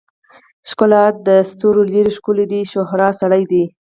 ښکلا دستورولري ښکلی دی شهوار سړی دی